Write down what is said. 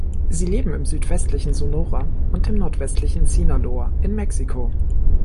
Sie leben im südwestlichen Sonora und dem nordwestlichen Sinaloa, in Mexiko.